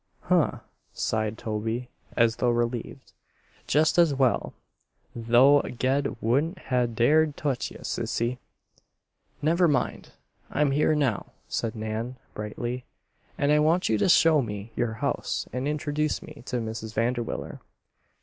"Huh!" sighed Toby, as though relieved. "Jest as well. Though Ged wouldn't ha' dared touch ye, Sissy." "Never mind. I'm here now," said Nan, brightly. "And I want you to show me your house and introduce me to Mrs. Vanderwiller."